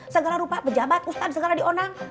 segala rupa pejabat ustadz segala dionang